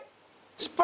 失敗？